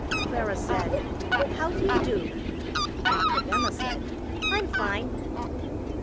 Clara said, "How d'you do?" And Pip Emma said, "I'm fine."